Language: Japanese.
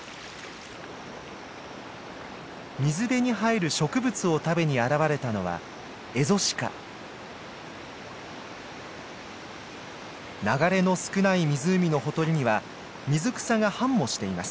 水辺に生える植物を食べに現れたのは流れの少ない湖のほとりには水草が繁茂しています。